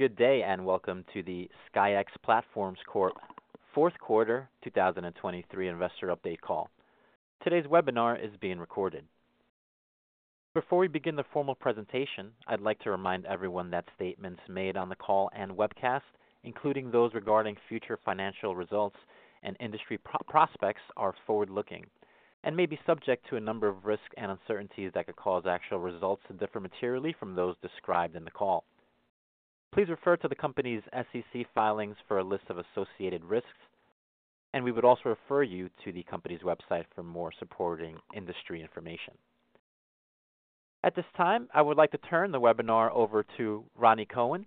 Good day, and welcome to the SKYX Platforms Corp fourth quarter 2023 investor update call. Today's webinar is being recorded. Before we begin the formal presentation, I'd like to remind everyone that statements made on the call and webcast, including those regarding future financial results and industry prospects, are forward-looking and may be subject to a number of risks and uncertainties that could cause actual results to differ materially from those described in the call. Please refer to the company's SEC filings for a list of associated risks, and we would also refer you to the company's website for more supporting industry information. At this time, I would like to turn the webinar over to Rani Kohen,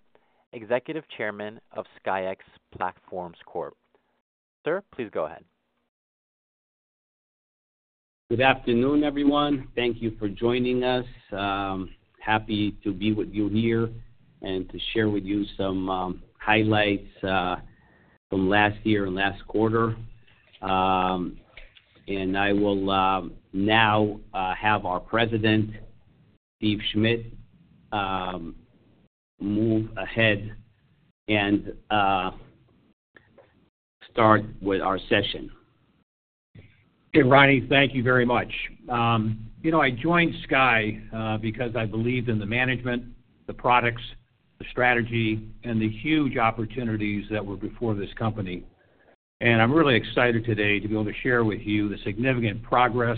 Executive Chairman of SKYX Platforms Corp. Sir, please go ahead. Good afternoon, everyone. Thank you for joining us. Happy to be with you here and to share with you some highlights from last year and last quarter. And I will now have our President, Steve Schmidt, move ahead and start with our session. Okay, Rani, thank you very much. You know, I joined Sky because I believed in the management, the products, the strategy, and the huge opportunities that were before this company. And I'm really excited today to be able to share with you the significant progress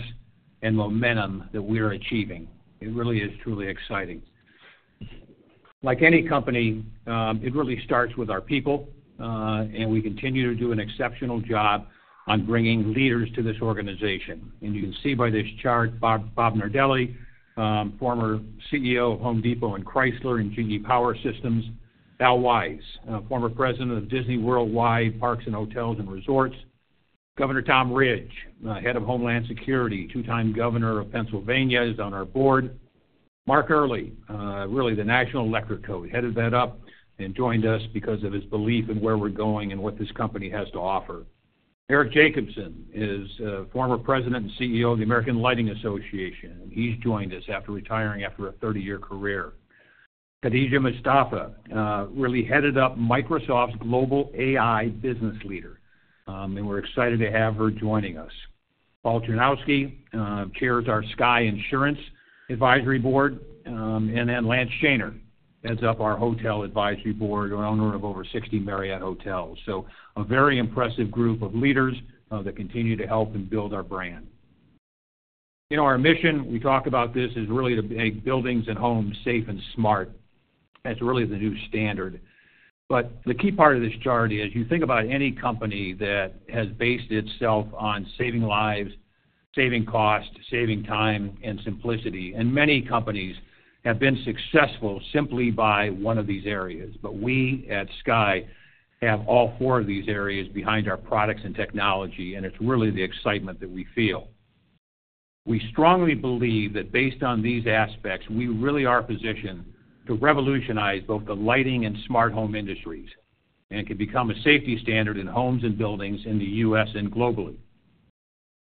and momentum that we're achieving. It really is truly exciting. Like any company, it really starts with our people, and we continue to do an exceptional job on bringing leaders to this organization. And you can see by this chart, Bob, Bob Nardelli, former CEO of Home Depot and Chrysler and GE Power Systems. Al Weiss, former President of Disney Worldwide Parks and Hotels and Resorts. Governor Tom Ridge, head of Homeland Security, two-time governor of Pennsylvania, is on our board. Mark Earley, really, the National Electrical Code, headed that up and joined us because of his belief in where we're going and what this company has to offer. Eric Jacobson is, former president and CEO of the American Lighting Association, and he's joined us after retiring after a 30-year career. Khadija Mustafa, really headed up Microsoft's Global AI business leader, and we're excited to have her joining us. Paul Tarnowski, chairs our SKYX Insurance Advisory Board. And then Lance Shaner heads up our hotel advisory board and owner of over 60 Marriott hotels. So a very impressive group of leaders, that continue to help and build our brand. You know, our mission, we talk about this, is really to make buildings and homes safe and smart. That's really the new standard. But the key part of this chart is, you think about any company that has based itself on saving lives, saving cost, saving time, and simplicity, and many companies have been successful simply by one of these areas. But we, at SKYX, have all four of these areas behind our products and technology, and it's really the excitement that we feel. We strongly believe that based on these aspects, we really are positioned to revolutionize both the lighting and smart home industries, and can become a safety standard in homes and buildings in the U.S. and globally.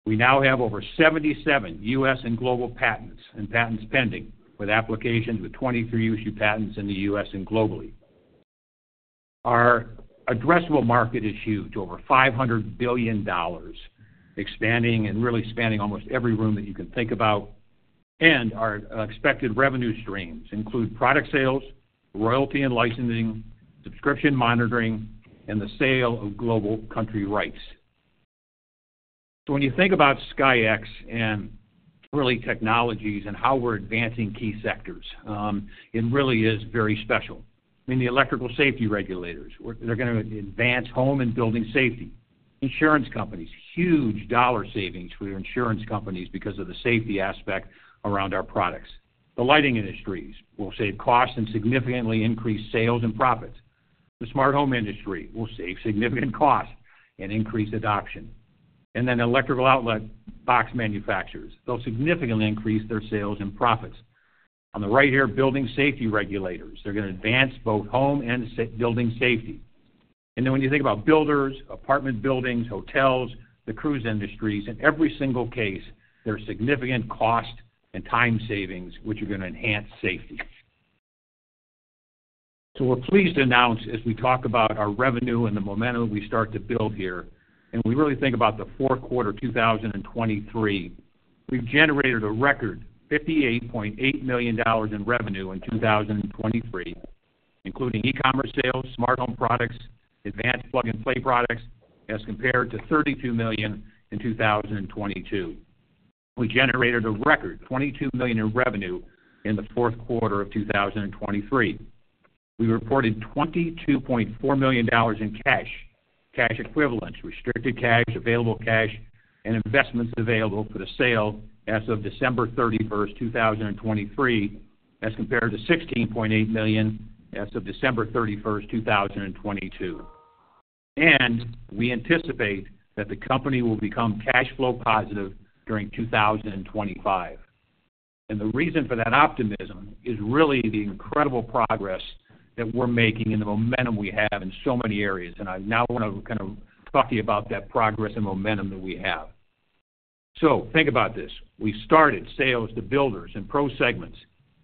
We now have over 77 U.S. and global patents and patents pending, with applications with 23 issued patents in the U.S. and globally. Our addressable market is huge, over $500 billion, expanding and really spanning almost every room that you can think about, and our expected revenue streams include product sales, royalty and licensing, subscription monitoring, and the sale of global country rights. So when you think about SKYX and really technologies and how we're advancing key sectors, it really is very special. I mean, the electrical safety regulators, they're gonna advance home and building safety. Insurance companies, huge dollar savings for insurance companies because of the safety aspect around our products. The lighting industries will save costs and significantly increase sales and profits. The smart home industry will save significant costs and increase adoption. And then electrical outlet box manufacturers, they'll significantly increase their sales and profits. On the right here, building safety regulators, they're gonna advance both home and building safety. Then when you think about builders, apartment buildings, hotels, the cruise industries, in every single case, there are significant cost and time savings, which are gonna enhance safety. So we're pleased to announce as we talk about our revenue and the momentum we start to build here, and we really think about the fourth quarter 2023. We've generated a record $58.8 million in revenue in 2023, including e-commerce sales, smart home products, advanced plug-and-play products, as compared to $32 million in 2022. We generated a record $22 million in revenue in the fourth quarter of 2023. We reported $22.4 million in cash, cash equivalents, restricted cash, available cash, and investments available for the sale as of December 31, 2023, as compared to $16.8 million as of December 31, 2022. We anticipate that the company will become cash flow positive during 2025. The reason for that optimism is really the incredible progress that we're making and the momentum we have in so many areas. I now want to kind of talk to you about that progress and momentum that we have. So think about this: We started sales to builders and pro segments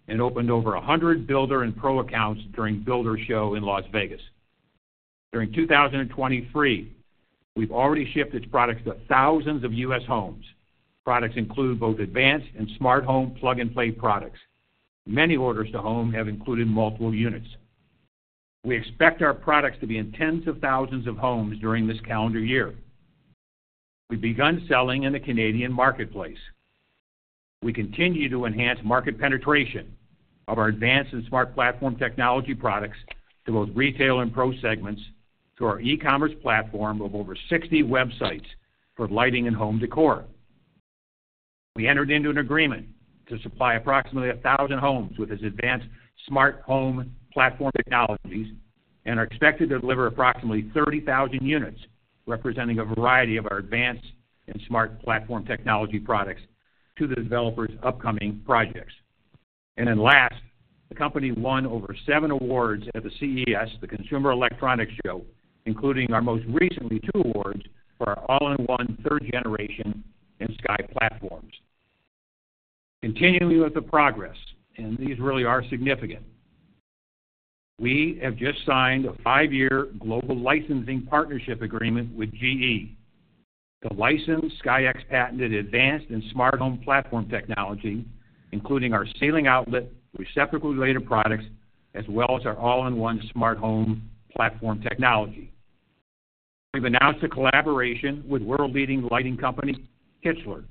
and opened over 100 builder and pro accounts during Builder Show in Las Vegas. During 2023, we've already shipped its products to thousands of U.S. homes. Products include both advanced and smart home plug-and-play products. Many orders to home have included multiple units. We expect our products to be in tens of thousands of homes during this calendar year. We've begun selling in the Canadian marketplace. We continue to enhance market penetration of our advanced and smart platform technology products to both retail and pro segments, through our e-commerce platform of over 60 websites for lighting and home decor. We entered into an agreement to supply approximately 1,000 homes with its advanced smart home platform technologies, and are expected to deliver approximately 30,000 units, representing a variety of our advanced and smart platform technology products to the developers' upcoming projects. And then last, the company won over seven awards at the CES, the Consumer Electronics Show, including, most recently, two awards for our all-in-one third generation and SKYX platforms. Continuing with the progress, these really are significant. We have just signed a five-year global licensing partnership agreement with GE to license SKYX's patented advanced and smart home platform technology, including our ceiling outlet, receptacle-related products, as well as our all-in-one smart home platform technology. We've announced a collaboration with world-leading lighting company, Kichler,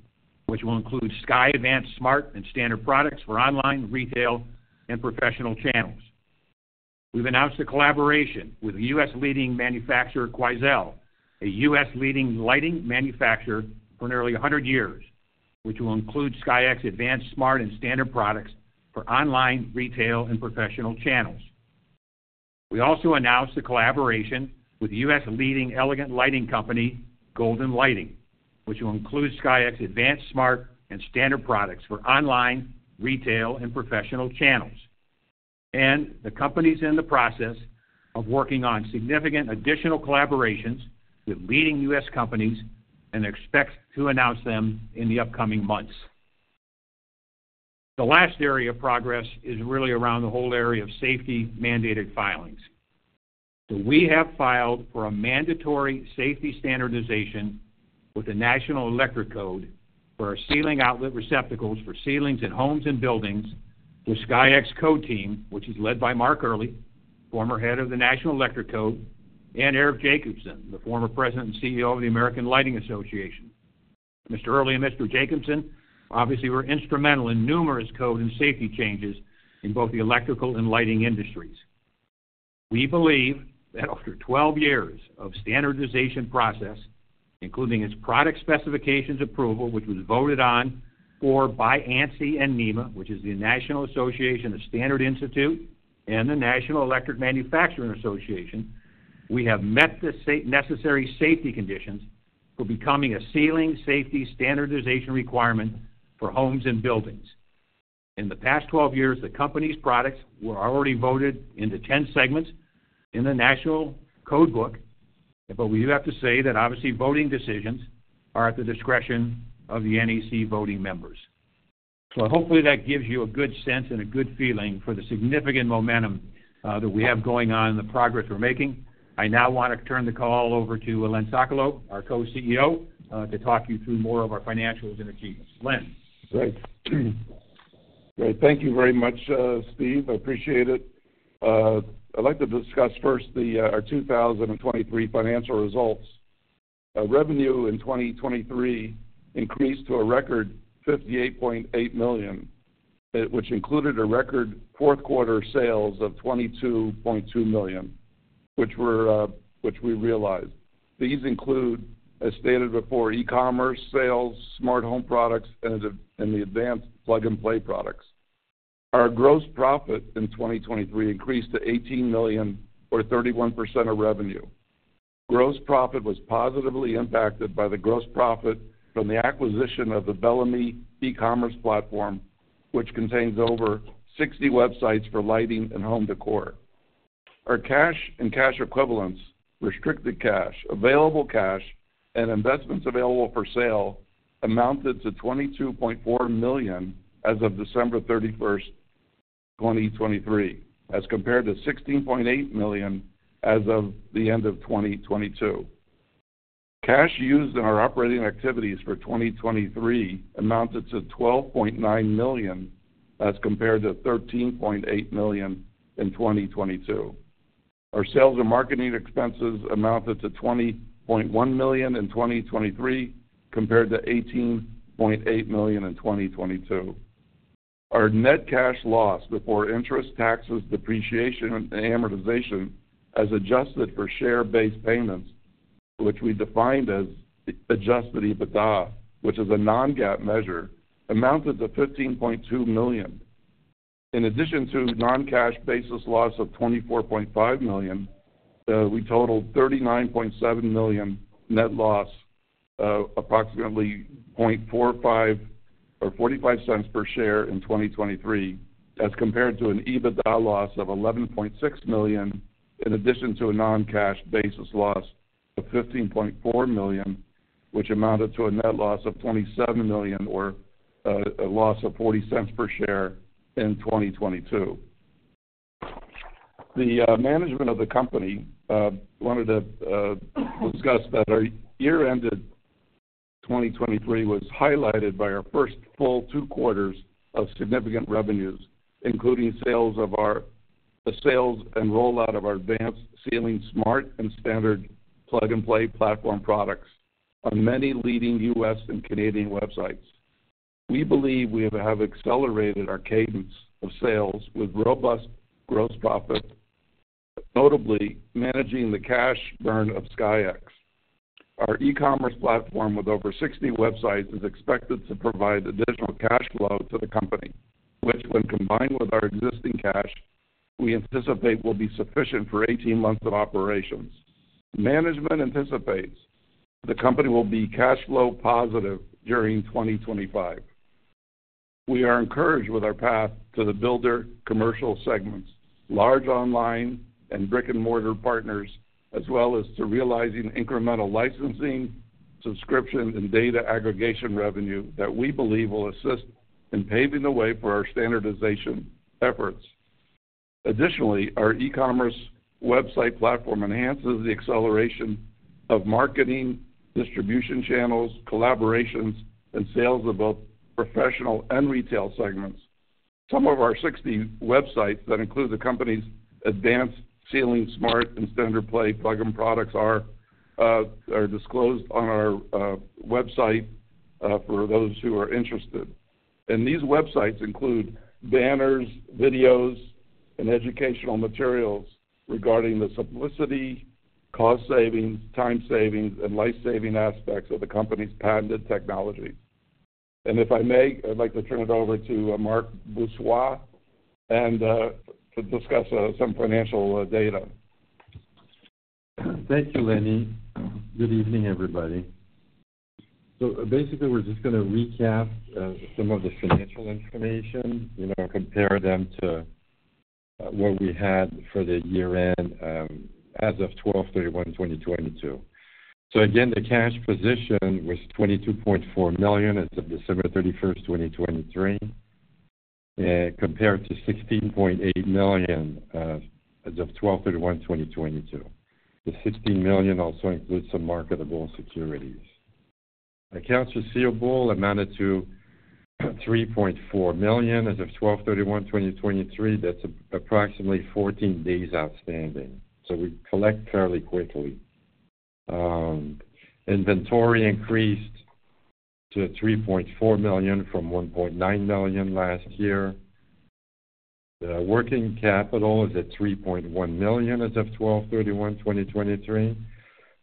which will include SKYX advanced, smart, and standard products for online, retail, and professional channels. We've announced a collaboration with the U.S. leading manufacturer, Quoizel, a U.S. leading lighting manufacturer for nearly 100 years, which will include SKYX advanced, smart, and standard products for online, retail, and professional channels. We also announced a collaboration with U.S. leading elegant lighting company, Golden Lighting, which will include SKYX advanced, smart, and standard products for online, retail, and professional channels. The company's in the process of working on significant additional collaborations with leading U.S. companies and expects to announce them in the upcoming months. The last area of progress is really around the whole area of safety-mandated filings. We have filed for a mandatory safety standardization with the National Electrical Code for our ceiling outlet receptacles for ceilings in homes and buildings, the SKYX Code team, which is led by Mark Earley, former head of the National Electrical Code, and Eric Jacobson, the former president and CEO of the American Lighting Association. Mr. Early and Mr. Jacobson, obviously, were instrumental in numerous code and safety changes in both the electrical and lighting industries. We believe that after 12 years of standardization process, including its product specifications approval, which was voted on by ANSI and NEMA, which is the American National Standards Institute and the National Electrical Manufacturers Association, we have met the necessary safety conditions for becoming a ceiling safety standardization requirement for homes and buildings. In the past 12 years, the company's products were already voted into 10 segments in the National Code Book, but we do have to say that obviously, voting decisions are at the discretion of the NEC voting members. So hopefully that gives you a good sense and a good feeling for the significant momentum that we have going on and the progress we're making. I now want to turn the call over to Len Sokolow, our Co-CEO, to talk you through more of our financials and achievements. Lenny? Great. Great. Thank you very much, Steve. I appreciate it. I'd like to discuss first the our 2023 financial results. Revenue in 2023 increased to a record $58.8 million, which included a record fourth quarter sales of $22.2 million, which we realized. These include, as stated before, e-commerce sales, smart home products, and the advanced plug-and-play products. Our gross profit in 2023 increased to $18 million or 31% of revenue. Gross profit was positively impacted by the gross profit from the acquisition of the Belami e-commerce platform, which contains over 60 websites for lighting and home decor. Our cash and cash equivalents, restricted cash, available cash, and investments available for sale amounted to $22.4 million as of December 31, 2023, as compared to $16.8 million as of the end of 2022. Cash used in our operating activities for 2023 amounted to $12.9 million, as compared to $13.8 million in 2022. Our sales and marketing expenses amounted to $20.1 million in 2023, compared to $18.8 million in 2022. Our net cash loss before interest, taxes, depreciation, and amortization, as adjusted for share-based payments, which we defined as adjusted EBITDA, which is a non-GAAP measure, amounted to $15.2 million. In addition to non-cash basis loss of $24.5 million, we totaled $39.7 million net loss, approximately $0.45 billion-... or 45 cents per share in 2023, as compared to an EBITDA loss of $11.6 million, in addition to a non-cash basis loss of $15.4 million, which amounted to a net loss of $27 million, or a loss of 40 cents per share in 2022. The management of the company wanted to discuss that our year-ended 2023 was highlighted by our first full two quarters of significant revenues, including the sales and r ollout of our advanced ceiling, smart and standard plug-and-play platform products on many leading U.S. and Canadian websites. We believe we have accelerated our cadence of sales with robust gross profit, notably managing the cash burn of SKYX. Our e-commerce platform with over 60 websites is expected to provide additional cash flow to the company, which, when combined with our existing cash, we anticipate will be sufficient for 18 months of operations. Management anticipates the company will be cash flow positive during 2025. We are encouraged with our path to the builder commercial segments, large online and brick-and-mortar partners, as well as to realizing incremental licensing, subscription, and data aggregation revenue that we believe will assist in paving the way for our standardization efforts. Additionally, our e-commerce website platform enhances the acceleration of marketing, distribution channels, collaborations, and sales of both professional and retail segments. Some of our 60 websites that include the company's advanced CeilingSmart and standard plug-and-play products are disclosed on our website for those who are interested. And these websites include banners, videos, and educational materials regarding the simplicity, cost savings, time savings, and life-saving aspects of the company's patented technology. And if I may, I'd like to turn it over to Marc Boisseau, and, to discuss, some financial, data. Thank you, Lenny. Good evening, everybody. So basically, we're just going to recap some of the financial information, you know, compare them to what we had for the year-end as of December 31, 2022. So again, the cash position was $22.4 million as of December 31, 2023, compared to $16.8 million as of December 31, 2022. The $16 million also includes some marketable securities. Accounts receivable amounted to $3.4 million as of December 31, 2023. That's approximately 14 days outstanding, so we collect fairly quickly. Inventory increased to $3.4 million from $1.9 million last year. The working capital is at $3.1 million as of December 31, 2023.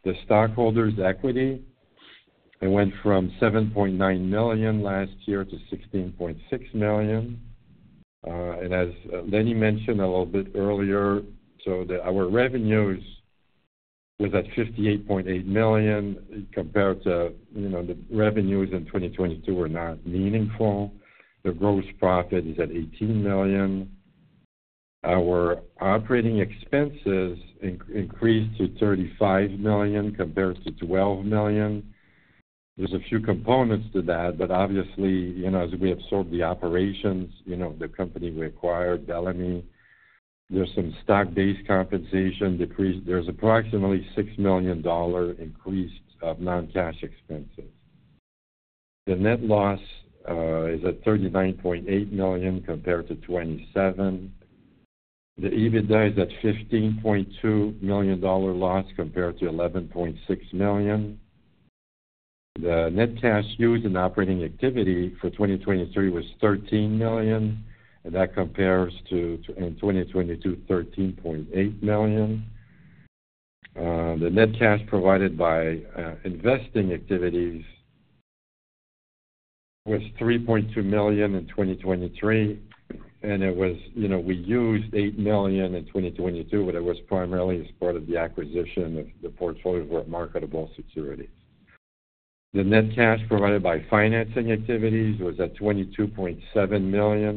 The stockholders' equity, it went from $7.9 million last year to $16.6 million. And as Lenny mentioned a little bit earlier, so the -- our revenues was at $58.8 million, compared to, you know, the revenues in 2022 were not meaningful. The gross profit is at $18 million. Our operating expenses increased to $35 million, compared to $12 million. There's a few components to that, but obviously, you know, as we absorb the operations, you know, the company required Belami. There's some stock-based compensation decrease. There's approximately $6 million increase of non-cash expenses. The net loss is at $39.8 million, compared to $27 million. The EBITDA is at $15.2 million loss, compared to $11.6 million. The net cash used in operating activity for 2023 was $13 million, and that compares to, in 2022, $13.8 million. The net cash provided by investing activities was $3.2 million in 2023, and it was you know, we used $8 million in 2022, but it was primarily as part of the acquisition of the portfolio of marketable securities. The net cash provided by financing activities was $22.7 million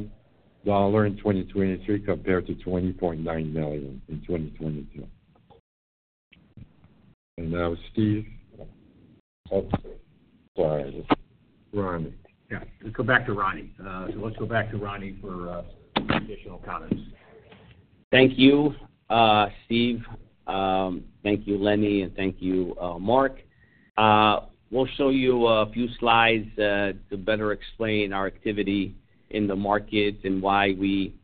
in 2023, compared to $20.9 million in 2022. Now, Steve. Sorry. Rani. Yeah, let's go back to Rani. Let's go back to Ronnie for additional comments. Thank you, Steve. Thank you, Lenny, and thank you, Mark. We'll show you a few slides to better explain our activity in the market and why we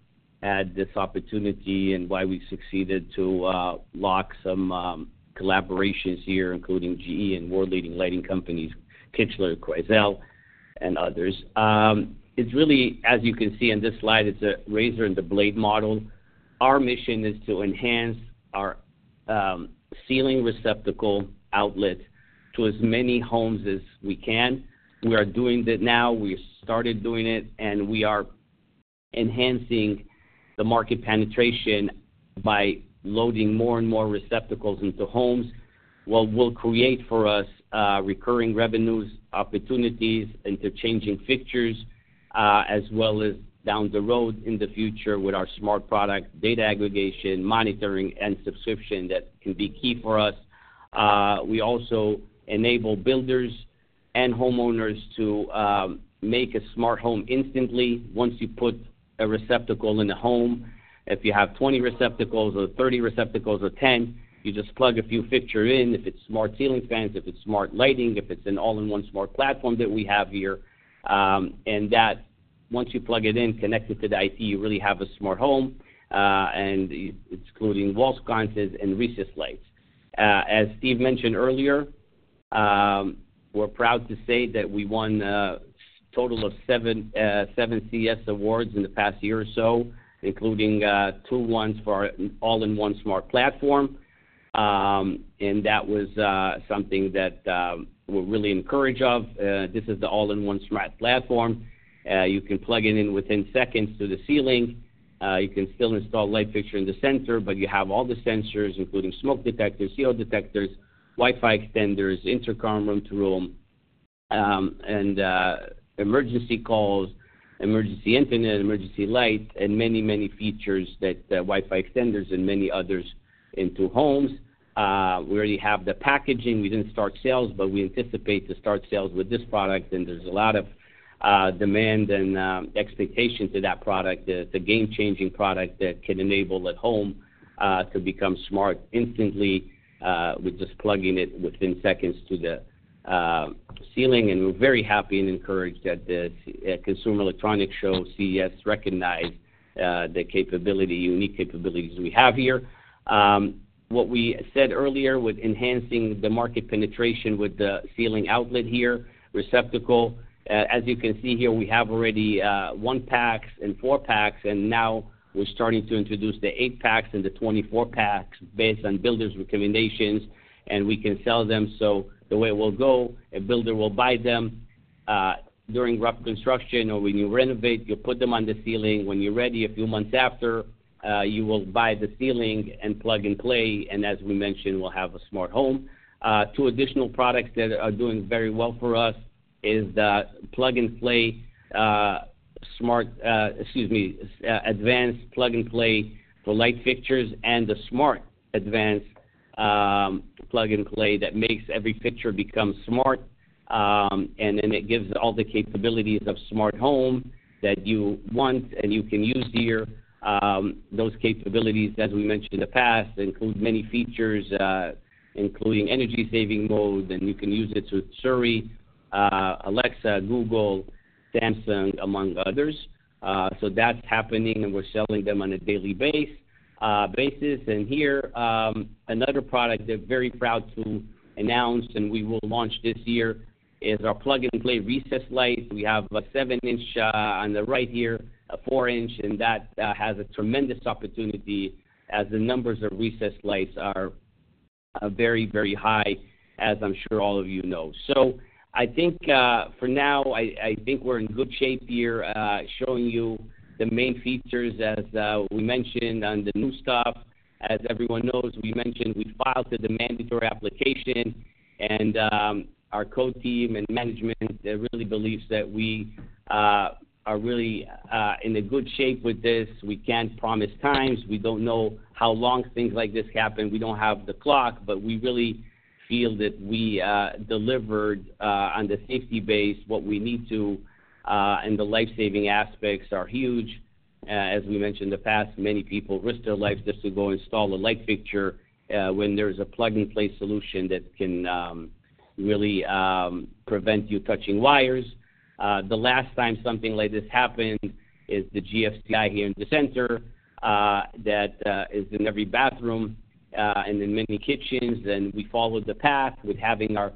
had this opportunity and why we succeeded to lock some collaborations here, including GE and world-leading lighting companies, Kichler, Quoizel, and others. It's really, as you can see on this slide, it's a razor and the blade model. Our mission is to enhance our ceiling receptacle outlet to as many homes as we can. We are doing that now, we started doing it, and we are-... enhancing the market penetration by loading more and more receptacles into homes, what will create for us recurring revenues opportunities into changing fixtures as well as down the road in the future with our smart product, data aggregation, monitoring, and subscription that can be key for us. We also enable builders and homeowners to make a smart home instantly. Once you put a receptacle in a home, if you have 20 receptacles or 30 receptacles or 10, you just plug a few fixtures in. If it's smart ceiling fans, if it's smart lighting, if it's an all-in-one smart platform that we have here, and that once you plug it in, connected to the IT, you really have a smart home, and it's including wall sconces and recessed lights. As Steve mentioned earlier, we're proud to say that we won a total of seven seven CES awards in the past year or so, including two ones for our all-in-one smart platform. And that was something that we're really encouraged of. This is the all-in-one smart platform. You can plug it in within seconds to the ceiling. You can still install light fixture in the center, but you have all the sensors, including smoke detectors, CO detectors, Wi-Fi extenders, intercom room to room, and emergency calls, emergency internet, emergency light, and many, many features that, the Wi-Fi extenders and many others into homes. We already have the packaging. We didn't start sales, but we anticipate to start sales with this product, and there's a lot of demand and expectation to that product. It's a game-changing product that can enable a home to become smart instantly with just plugging it within seconds to the ceiling. And we're very happy and encouraged that at Consumer Electronics Show, CES, recognized the unique capabilities we have here. What we said earlier with enhancing the market penetration with the ceiling outlet receptacle. As you can see here, we have already 1-packs and 4-packs, and now we're starting to introduce the 8-packs and the 24 packs based on builders' recommendations, and we can sell them. So the way it will go, a builder will buy them during rough construction, or when you renovate, you'll put them on the ceiling. When you're ready, a few months after, you will buy the ceiling and plug and play, and as we mentioned, we'll have a smart home. Two additional products that are doing very well for us is the plug and play, smart, excuse me, advanced plug and play, the light fixtures and the smart advanced plug and play that makes every fixture become smart. And then it gives all the capabilities of smart home that you want and you can use here. Those capabilities, as we mentioned in the past, include many features, including energy saving mode, and you can use it with Siri, Alexa, Google, Samsung, among others. So that's happening, and we're selling them on a daily basis. And here, another product they're very proud to announce, and we will launch this year, is our plug and play recessed light. We have a 7-inch, on the right here, a 4-inch, and that, has a tremendous opportunity as the numbers of recessed lights are, are very, very high, as I'm sure all of you know. So I think, for now, I, I think we're in good shape here, showing you the main features as, we mentioned on the new stuff. As everyone knows, we mentioned we filed the mandatory application, and, our code team and management, they really believes that we, are really, in a good shape with this. We can't promise times. We don't know how long things like this happen. We don't have the clock, but we really feel that we, delivered, on the safety base, what we need to, and the life-saving aspects are huge. As we mentioned in the past, many people risk their lives just to go install a light fixture when there's a plug-and-play solution that can really prevent you touching wires. The last time something like this happened is the GFCI here in the center that is in every bathroom and in many kitchens. And we followed the path with having our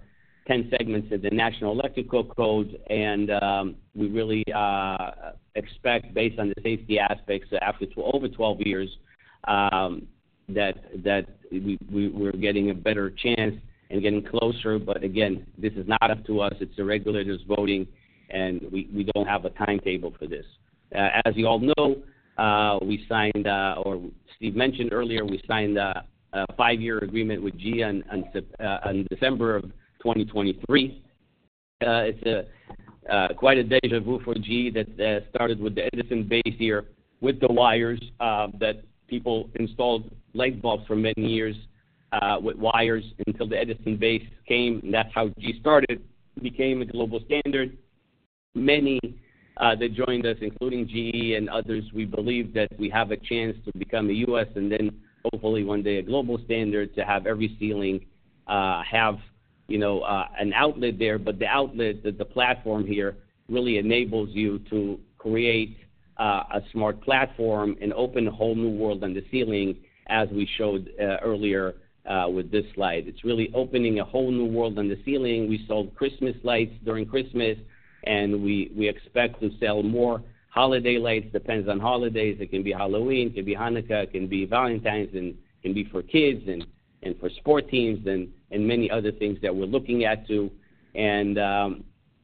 10 segments of the National Electrical Code, and we really expect, based on the safety aspects, after over 12 years, that we're getting a better chance and getting closer. But again, this is not up to us, it's the regulators voting, and we don't have a timetable for this. As you all know, we signed, or Steve mentioned earlier, we signed a five-year agreement with GE on December of 2023. It's quite a déjà vu for GE that started with the Edison base here, with the wires that people installed light bulbs for many years with wires until the Edison base came, and that's how GE started, became a global standard. Many that joined us, including GE and others, we believe that we have a chance to become the U.S. and then hopefully one day, a global standard, to have every ceiling have, you know, an outlet there. But the outlet, the platform here really enables you to create a smart platform and open a whole new world on the ceiling, as we showed earlier with this slide. It's really opening a whole new world on the ceiling. We sold Christmas lights during Christmas, and we, we expect to sell more holiday lights, depends on holidays. It can be Halloween, it can be Hanukkah, it can be Valentine's, and can be for kids and, and for sport teams, and, and many other things that we're looking at. And,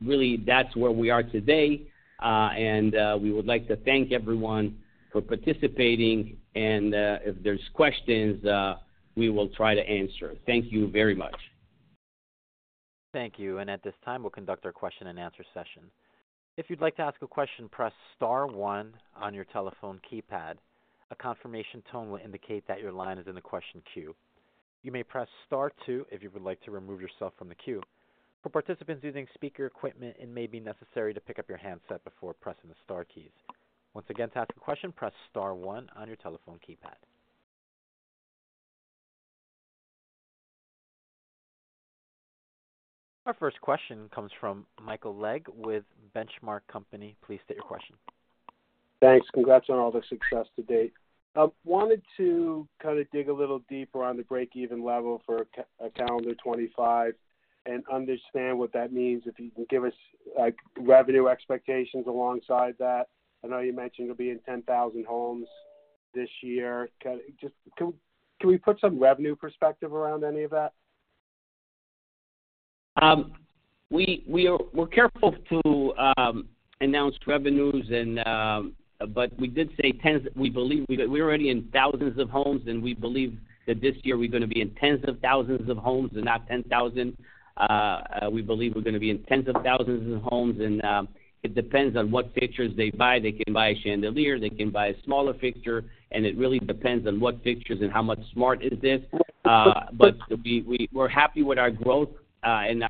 really, that's where we are today. We would like to thank everyone for participating, and, if there's questions, we will try to answer. Thank you very much. Thank you. At this time, we'll conduct our question-and-answer session. If you'd like to ask a question, press star one on your telephone keypad. A confirmation tone will indicate that your line is in the question queue. You may press star two if you would like to remove yourself from the queue. For participants using speaker equipment, it may be necessary to pick up your handset before pressing the star keys. Once again, to ask a question, press star one on your telephone keypad. Our first question comes from Michael Legg with Benchmark Company. Please state your question. Thanks. Congrats on all the success to date. I wanted to kind of dig a little deeper on the break-even level for a calendar 2025 and understand what that means. If you can give us, like, revenue expectations alongside that. I know you mentioned you'll be in 10,000 homes this year. Kinda just, can we, can we put some revenue perspective around any of that? We're careful to announce revenues, and but we did say tens. We believe we're already in thousands of homes, and we believe that this year we're gonna be in tens of thousands of homes and not 10,000. We believe we're gonna be in tens of thousands of homes, and it depends on what fixtures they buy. They can buy a chandelier, they can buy a smaller fixture, and it really depends on what fixtures and how much smart is this. But we're happy with our growth, and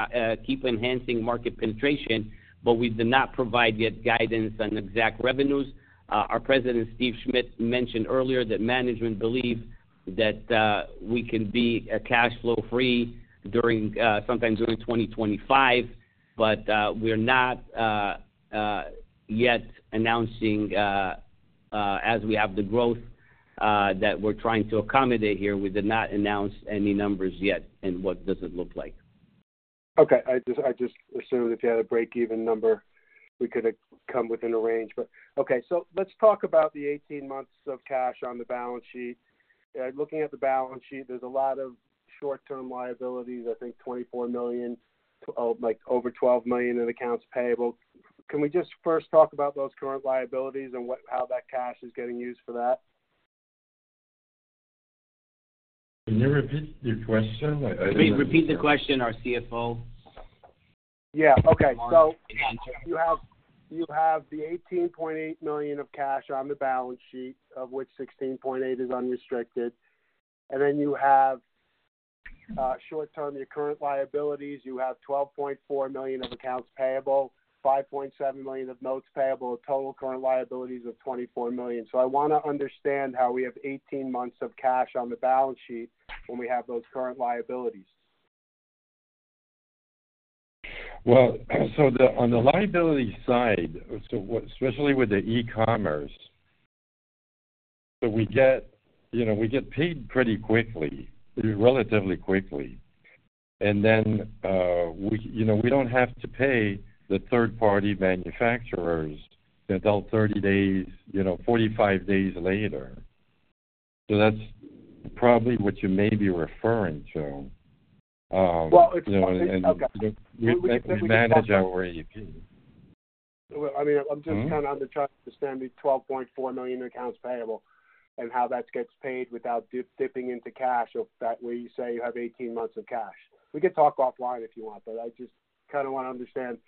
keep enhancing market penetration, but we did not provide yet guidance on exact revenues. Our President, Steve Schmidt, mentioned earlier that management believes that we can be cash flow free during sometime during 2025, but we're not yet announcing as we have the growth that we're trying to accommodate here. We did not announce any numbers yet and what does it look like. Okay. I just assumed if you had a break-even number, we could have come within a range. But, okay, so let's talk about the 18 months of cash on the balance sheet. Looking at the balance sheet, there's a lot of short-term liabilities, I think $24 million, to, like, over $12 million in accounts payable. Can we just first talk about those current liabilities and what, how that cash is getting used for that? Can you repeat the question? I didn't- Let me repeat the question, our CFO. Yeah. Okay. So- You have, you have the $18.8 million of cash on the balance sheet, of which $16.8 million is unrestricted, and then you have short term, your current liabilities. You have $12.4 million of accounts payable, $5.7 million of notes payable, total current liabilities of $24 million. So I want to understand how we have 18 months of cash on the balance sheet when we have those current liabilities. Well, so the, on the liability side, so what... Especially with the e-commerce, so we get, you know, we get paid pretty quickly, relatively quickly, and then, we, you know, we don't have to pay the third-party manufacturers until 30 days, you know, 45 days later. So that's probably what you may be referring to. Well, it's... Okay. We manage our AP. Well, I mean, I'm just kind of trying to understand the $12.4 million accounts payable and how that gets paid without dipping into cash of that, where you say you have 18 months of cash. We could talk offline if you want, but I just kind of want to understand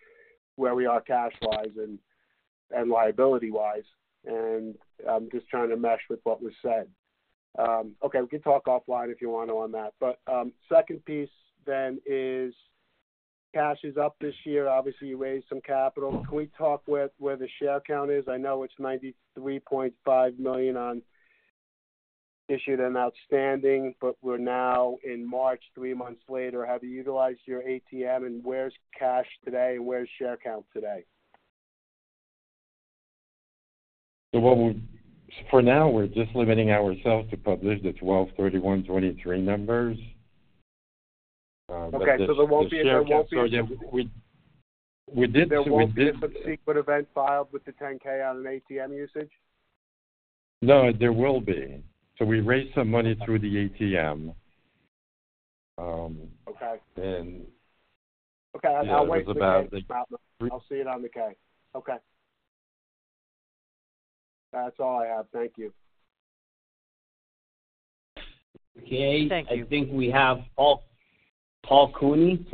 where we are cash-wise and, and liability-wise, and I'm just trying to mesh with what was said. Okay, we can talk offline if you want to on that. But, second piece then is cash is up this year. Obviously, you raised some capital. Can we talk with where the share count is? I know it's 93.5 million on issued and outstanding, but we're now in March, 3 months later. Have you utilized your ATM, and where's cash today, and where's share count today? So what we... For now, we're just limiting ourselves to publish the December 31, 2023 numbers. But the- Okay, so there won't be- The share count, so, yeah, we did- There won't be a separate event filed with the 10-K on an ATM usage? No, there will be. So we raised some money through the ATM. Okay. Then- Okay, I'll wait for the K. It was about the- I'll see it on the K. Okay. That's all I have. Thank you. Okay. Thank you. I think we have Paul, Paul Cooney.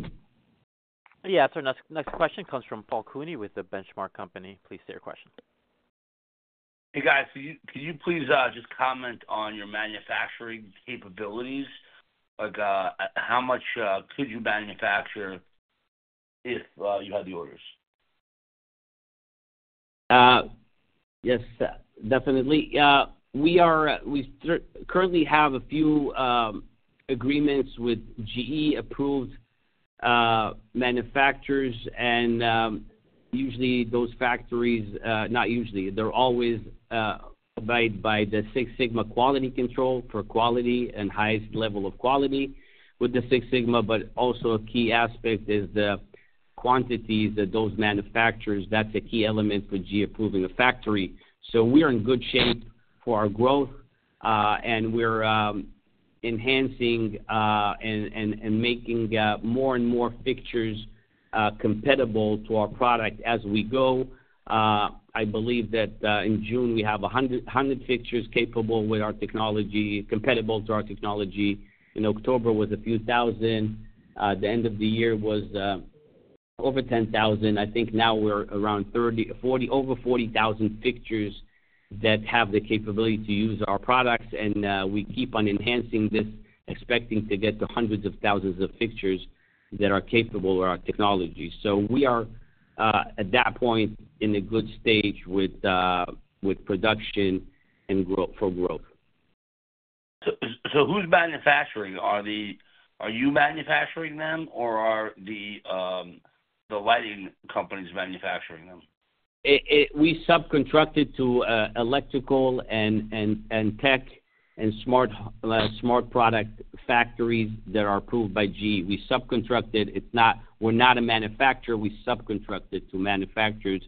Yeah, so our next question comes from Paul Cooney with the Benchmark Company. Please state your question. Hey, guys, could you, could you please, just comment on your manufacturing capabilities? Like, how much, could you manufacture if, you had the orders? Yes, definitely. We currently have a few agreements with GE-approved manufacturers, and usually those factories, not usually, they're always by the Six Sigma quality control for quality and highest level of quality with the Six Sigma, but also a key aspect is the quantities that those manufacturers, that's a key element with GE approving a factory. So we are in good shape for our growth, and we're enhancing and making more and more fixtures compatible to our product as we go. I believe that in June, we have 100 fixtures capable with our technology - compatible to our technology. In October, it was a few thousand. The end of the year was over 10,000. I think now we're around 30, 40, over 40,000 fixtures that have the capability to use our products, and we keep on enhancing this, expecting to get to hundreds of thousands of fixtures that are capable of our technology. So we are at that point in a good stage with production and for growth. So, who's manufacturing? Are you manufacturing them, or are the lighting companies manufacturing them? It, we subcontract it to electrical and tech and smart product factories that are approved by GE. We subcontract it. It's not. We're not a manufacturer. We subcontract it to manufacturers.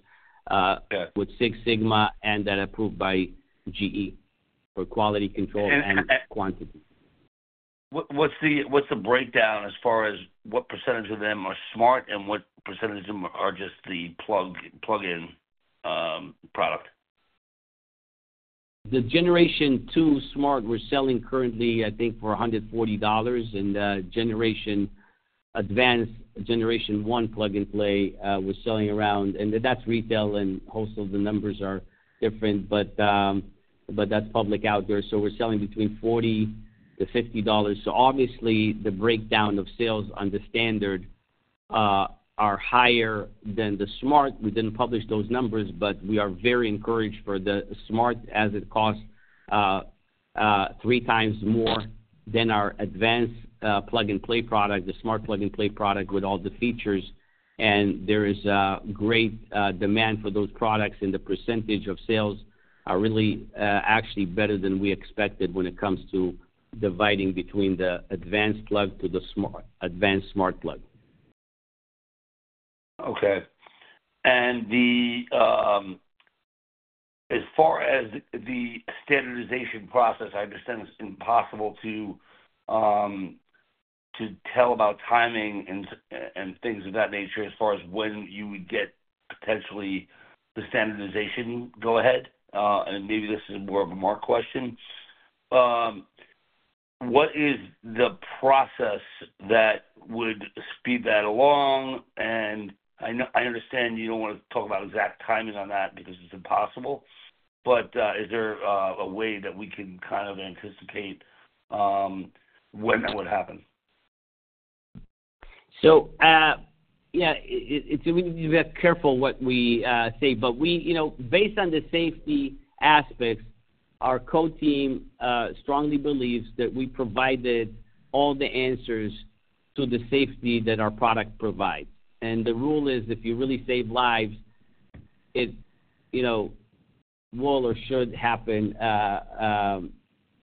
Okay. with Six Sigma and that are approved by GE for quality control and quantity. What's the breakdown as far as what percentage of them are smart and what percentage of them are just the plug-in product? The Generation 2 Smart, we're selling currently, I think, for $140, and, Generation Advanced, Generation 1 Plug-and-Play, we're selling around. And that's retail and wholesale, the numbers are different, but, but that's public out there. So we're selling between $40-$50. So obviously, the breakdown of sales on the Standard, are higher than the Smart. We didn't publish those numbers, but we are very encouraged for the Smart, as it costs, three times more than our Advanced, Plug-and-Play product, the Smart Plug-and-Play product with all the features. And there is a great, demand for those products, and the percentage of sales are really, actually better than we expected when it comes to dividing between the Advanced Plug to the Smart-Advanced Smart Plug. Okay. And as far as the standardization process, I understand it's impossible to tell about timing and things of that nature, as far as when you would get potentially the standardization go ahead. And maybe this is more of a Mark question. What is the process that would speed that along? And I know, I understand you don't wanna talk about exact timing on that because it's impossible, but is there a way that we can kind of anticipate when that would happen? So, yeah, it we need to be very careful what we say, but we, you know, based on the safety aspects, our code team strongly believes that we provided all the answers to the safety that our product provides. And the rule is, if you really save lives, you know, will or should happen.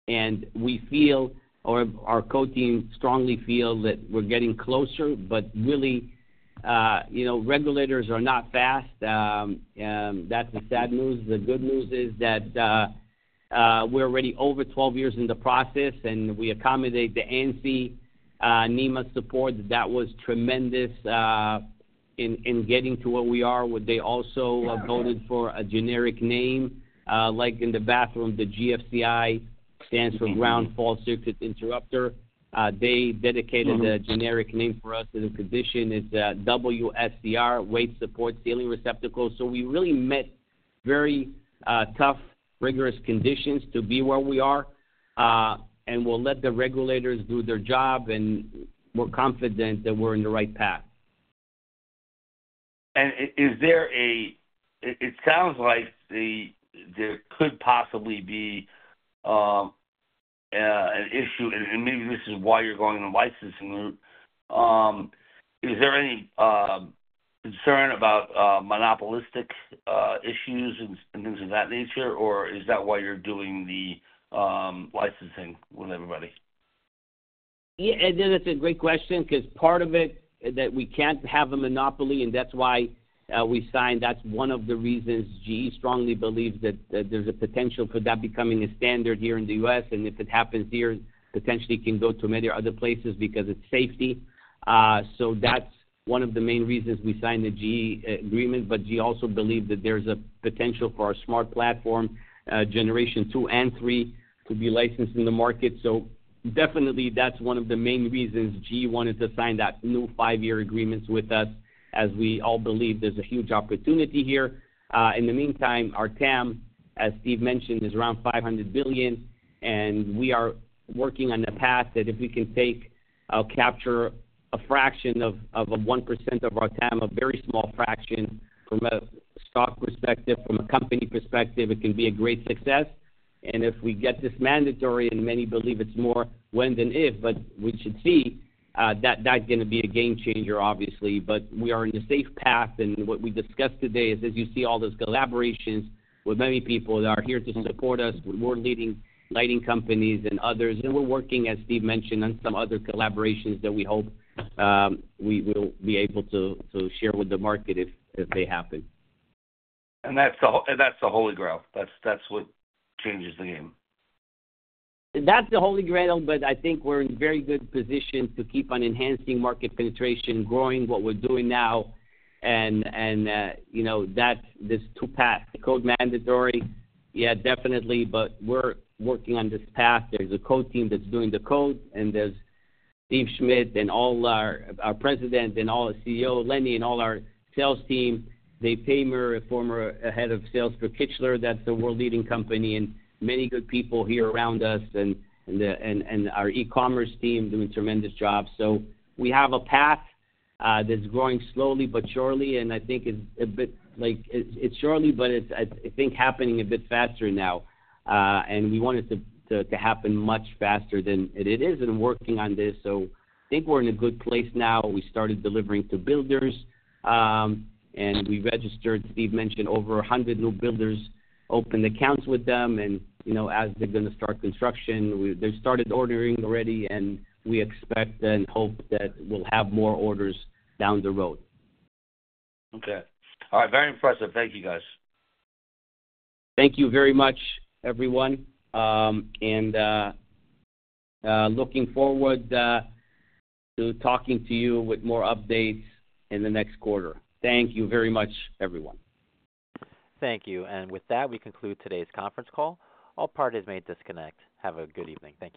And we feel, or our code team strongly feel that we're getting closer, but really, you know, regulators are not fast. That's the sad news. The good news is that we're already over 12 years in the process, and we accommodate the ANSI NEMA support. That was tremendous in getting to where we are, where they also voted for a generic name like in the bathroom, the GFCI stands for Ground Fault Circuit Interrupter. They dedicated a generic name for us, and the condition is, WSCR, Weight Supporting Ceiling Receptacle. So we really met very tough, rigorous conditions to be where we are, and we'll let the regulators do their job, and we're confident that we're in the right path. It sounds like there could possibly be an issue, and maybe this is why you're going the licensing route. Is there any concern about monopolistic issues and things of that nature, or is that why you're doing the licensing with everybody? Yeah, that's a great question, 'cause part of it is that we can't have a monopoly, and that's why, we signed... That's one of the reasons GE strongly believes that, that there's a potential for that becoming a standard here in the U.S., and if it happens here, potentially can go to many other places because it's safety. So that's one of the main reasons we signed the GE, agreement, but GE also believed that there's a potential for our smart platform, Generation two and three, to be licensed in the market. So definitely, that's one of the main reasons GE wanted to sign that new five-year agreements with us, as we all believe there's a huge opportunity here. In the meantime, our TAM, as Steve mentioned, is around $500 billion, and we are working on the path that if we can take capture a fraction of a 1% of our TAM, a very small fraction from a stock perspective, from a company perspective, it can be a great success. And if we get this mandatory, and many believe it's more when than if, but we should see that that's gonna be a game changer, obviously. But we are in a safe path, and what we discussed today is, as you see all those collaborations with many people that are here to support us, with world-leading lighting companies and others, and we're working, as Steve mentioned, on some other collaborations that we hope we will be able to share with the market if they happen. And that's the Holy Grail. That's what changes the game. That's the Holy Grail, but I think we're in very good position to keep on enhancing market penetration, growing what we're doing now, and, and, you know, that's this two path. Code mandatory, yeah, definitely, but we're working on this path. There's a code team that's doing the code, and there's Steve Schmidt and all our, our president and all the CEO, Lenny, and all our sales team. Dave Tamer, a former head of sales for Kichler, that's a world-leading company, and many good people here around us and, and, and, and our e-commerce team doing a tremendous job. So we have a path, that's growing slowly but surely, and I think it's a bit like... It's, it's surely, but it's, I think, happening a bit faster now, and we want it to, to happen much faster than it is and working on this. So I think we're in a good place now. We started delivering to builders, and we registered, Steve mentioned, over 100 new builders, opened accounts with them, and, you know, as they're gonna start construction, they started ordering already, and we expect and hope that we'll have more orders down the road. Okay. All right. Very impressive. Thank you, guys. Thank you very much, everyone. Looking forward to talking to you with more updates in the next quarter. Thank you very much, everyone. Thank you. With that, we conclude today's conference call. All parties may disconnect. Have a good evening. Thank you.